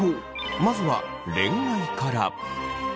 まずは恋愛から。